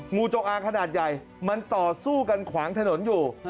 งูจงอางขนาดใหญ่มันต่อสู้กันขวางถนนอยู่